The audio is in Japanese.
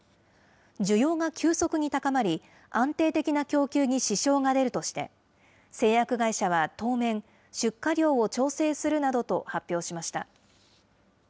需要が急速に高まり、安定的な供給に支障が出るとして、製薬会社は当面、出荷量を調整するなどと発表しました。